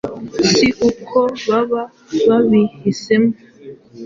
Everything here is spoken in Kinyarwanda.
si uko baba babihisemo.